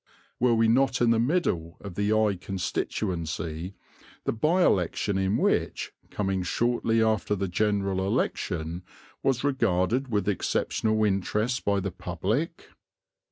Were we not in the middle of the Eye constituency, the bye election in which, coming shortly after the General Election, was regarded with exceptional interest by the public?